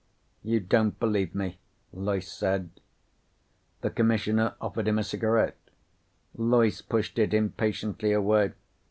"You don't believe me," Loyce said. The Commissioner offered him a cigarette. Loyce pushed it impatiently away.